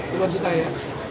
puluhan juta ya